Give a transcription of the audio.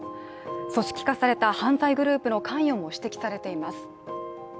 組織化された犯罪グループの関与も指摘されています。